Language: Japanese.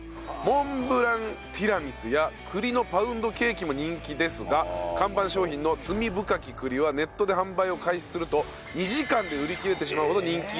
モンブランティラミスや栗のパウンドケーキも人気ですが看板商品の罪深き栗はネットで発売を開始すると２時間で売り切れてしまうほど人気。